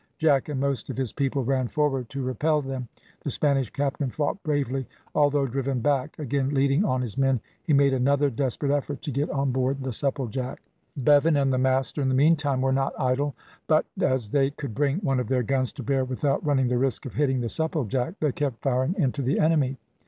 Jack and most of his people ran forward to repel them. The Spanish captain fought bravely, although driven back, again leading on his men, he made another desperate effort to get on board the Supplejack. Bevan and the master, in the meantime, were not idle, but as they could bring one of their guns to bear without running the risk of hitting the Supplejack, they kept firing into the enemy.